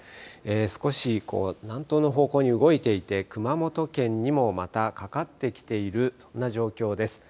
少し南東の方向に動いていて熊本県にもまたかかってきているそんな状況です。